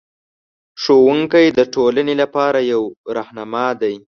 ښوونکی د ټولنې لپاره یو رهنما دی.